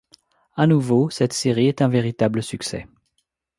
À nouveau, cette série est un véritable succès.